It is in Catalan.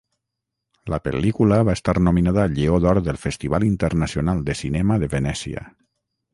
La pel·lícula va estar nominada al Lleó d'Or del Festival Internacional de Cinema de Venècia.